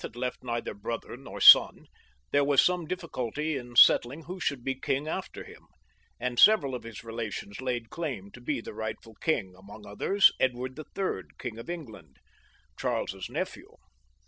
had left neither brother nor son, there was some difficulty in settling who should be king after him, and several of his relations laid claim to be the rightful king, among others Edward III., King of England, Charles's nephew.